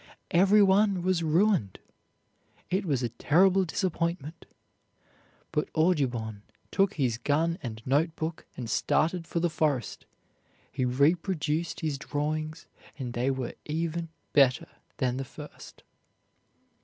Every one was ruined. It was a terrible disappointment, but Audubon took his gun and note book and started for the forest. He reproduced his drawings, and they were even better than the first.